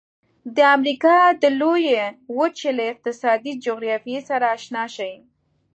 د امریکا د لویې وچې له اقتصادي جغرافیې سره آشنا شئ.